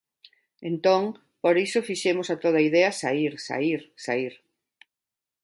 Entón, por iso fixemos a toda idea saír, saír, saír.